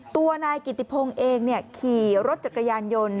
ตัวนายกิติพงศ์เองขี่รถจักรยานยนต์